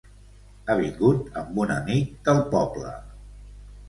Ha vingut amb un amic del poble.